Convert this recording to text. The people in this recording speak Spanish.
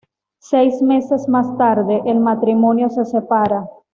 Seis meses más tarde, el matrimonio se separa.